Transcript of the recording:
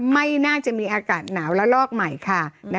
ไม่น่าจะมีอากาศหนาวและลอกใหม่ค่ะ